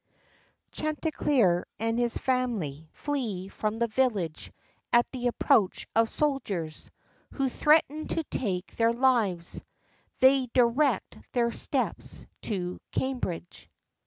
CHANTICLEER AND HIS FAMILY FLEE FROM THE VILLAGE AT THE APPROACH OF SOLDIERS, WHO THREATEN TO TAKE THEIR LIVES. THEY DIRECT THEIR STEPS TO CAMBRIDGE.